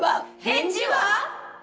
返事は？